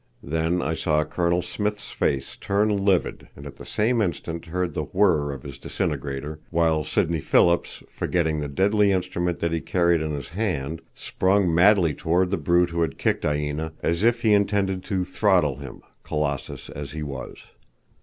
Then I saw Colonel Smith's face turn livid, and at the same instant heard the whirr of his disintegrator, while Sidney Phillips, forgetting the deadly instrument that he carried in his hand, sprung madly toward the brute who had kicked Aina, as if he intended to throttle him, colossus as he was.